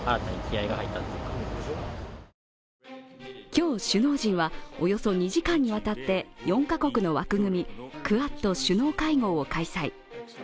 今日、首脳陣はおよそ２時間にわたって４カ国の枠組み、クアッド首脳会合を開催。